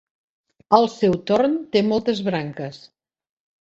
Al seu torn, té moltes branques.